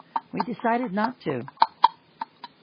We decided not to.